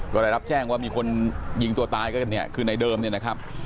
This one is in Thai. ก็ได้รับแจ้งว่ามีคนยิงตัวตายก็เนี่ยคือในเดิมเนี่ยนะครับ